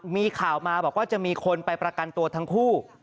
มีข่าวมาบอกว่าจะมีคนไปประกันตัวทั้งคู่